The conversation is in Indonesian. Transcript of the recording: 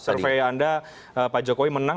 survei anda pak jokowi menang